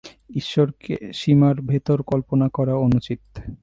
ঈশ্বরকে সীমার ভেতর কল্পনা করা অনুচিত।